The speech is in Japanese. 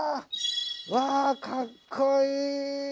わあかっこいい！